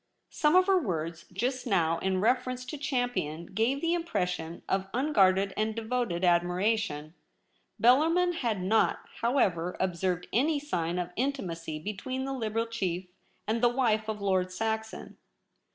Some of her words just now in reference to Champion gave the impression of unguarded and devoted admiration. Bellarmin had not, however, observed any sign of intimacy be tween the Liberal chief and the wife of Lord Saxon.